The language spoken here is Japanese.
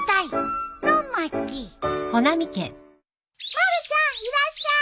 まるちゃんいらっしゃい。